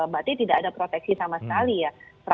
berarti tidak ada proteksi sama sekali ya